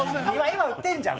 今売ってんじゃん？